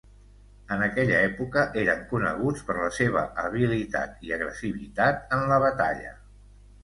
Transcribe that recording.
En aquella època, eren coneguts per la seva habilitat i agressivitat en la batalla.